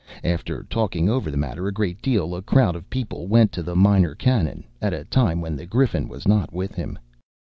After talking over the matter a great deal, a crowd of the people went to the Minor Canon, at a time when the Griffin was not with him.